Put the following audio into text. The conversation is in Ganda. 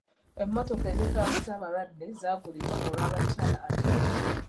Emmotoka ezitambuza abalwadde zaagulibwa olw'abakyala ab'embuto.